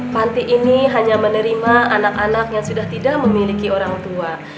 panti ini hanya menerima anak anak yang sudah tidak memiliki orang tua